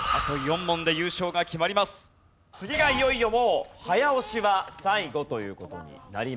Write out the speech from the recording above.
次がいよいよもう早押しは最後という事になります。